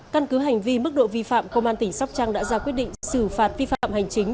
căn cứ hành vi mức độ vi phạm công an tỉnh sóc trăng đã ra quyết định xử phạt vi phạm hành chính